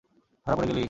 ধরা পড়ে গেলি?